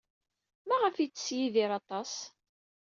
Maɣef ay yettess Yidir aṭas?